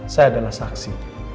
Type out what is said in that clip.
saya adalah saksi